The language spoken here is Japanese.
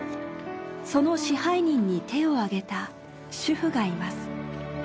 その支配人に手を挙げた主婦がいます。